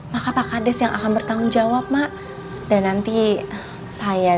maka pak kades yang akan bertanggung jawab itu maka itu akan jadi kesalahan untuk bayi mak